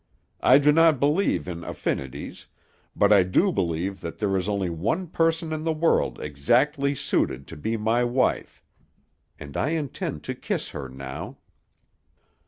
I do not believe in affinities, but I do believe that there is only one person in the world exactly suited to be my wife, and I intend to kiss her now."